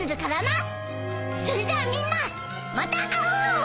それじゃあみんなまた会おう！